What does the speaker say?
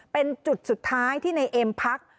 เป็นจุดสุดท้ายที่นายเอ็มพัก